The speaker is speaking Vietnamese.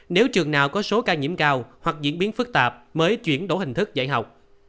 nếu trường nào có số ca nhiễm cao hoặc diễn biến phức tạp mới chuyển đổi hình thức dạy học